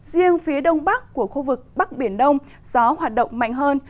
riêng phía đông bắc của khu vực bắc biển đông gió hoạt động mạnh hơn